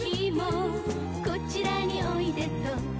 「こちらにおいでと」